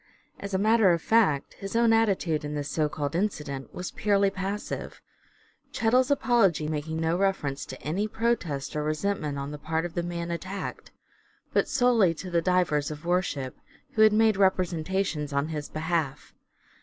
As a matter of fact his own attitude in this so called incident was purely passive, Chettle's apology making no reference to any protest or resentment on the part of the man attacked, but solely to the " divers of worship " who had made representations on his behalf.